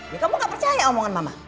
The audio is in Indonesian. ya kamu gak percaya omongan mama